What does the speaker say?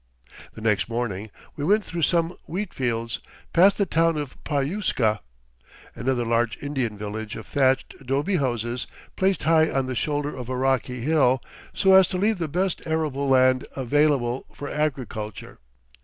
The next morning we went through some wheat fields, past the town of Puyusca, another large Indian village of thatched adobe houses placed high on the shoulder of a rocky hill so as to leave the best arable land available for agriculture.